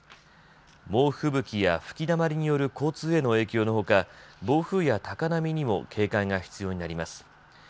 猛吹雪や吹きだまりによる交通への影響のほか暴風や高波にも警戒が必要になります。